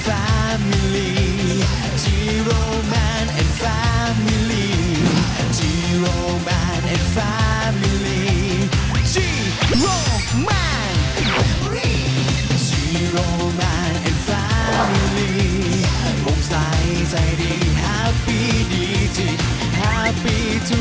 อัลฟ้ามือรี